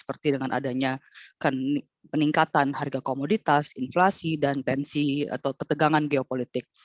seperti dengan adanya peningkatan harga komoditas inflasi dan tensi atau ketegangan geopolitik